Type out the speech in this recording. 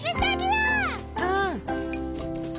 うん！